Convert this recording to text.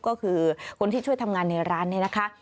ก็คือคนที่ช่วยทำงานในร้านนี้นะคะ